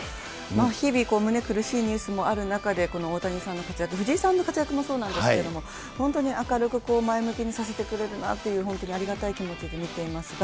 日々、胸苦しいニュースもある中で、この大谷さんの活躍、藤井さんの活躍もそうなんですけれども、本当に明るく前向きにさせてくれるなっていう、本当にありがたい気持ちで見ていますが。